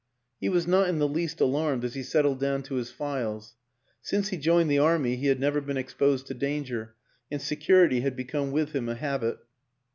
He was not in the least alarmed as he settled down to his files; since he joined the Army he had never been exposed to danger, and security had become with him a habit.